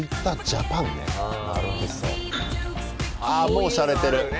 ああもうしゃれてる。